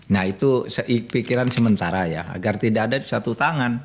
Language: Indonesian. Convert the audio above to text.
nah itu pikiran sementara ya agar tidak ada di satu tangan